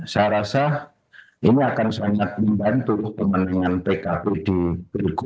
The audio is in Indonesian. saya rasa ini akan sangat membantu kemenangan pkp di perikub